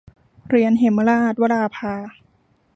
เหรียญเหมราช - วราภา